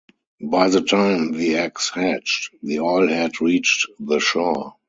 By the time the eggs hatched, the oil had reached the shore.